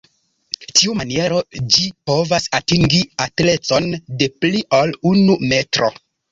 Tiumaniero ĝi povas atingi altecon de pli ol unu metro.